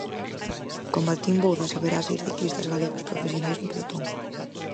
Con Martín Bouzas haberá seis ciclistas galegos profesionais no pelotón.